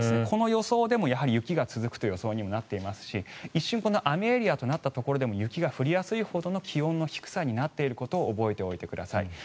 この予想でも雪が続くという予想にもなっていますし一瞬、雨エリアとなったところでも雪が降りやすいほどの気温の低さになっていることを覚えておいてください。